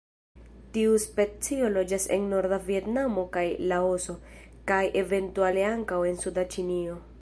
Tiu specio loĝas en norda Vjetnamo kaj Laoso, kaj eventuale ankaŭ en suda Ĉinio.